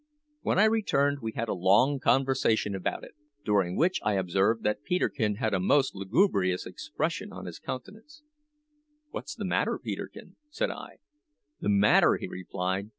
When I returned we had a long conversation about, it, during which I observed that Peterkin had a most lugubrious expression on his countenance. "What's the matter, Peterkin?" said I. "The matter?" he replied.